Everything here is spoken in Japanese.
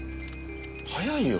早いよ。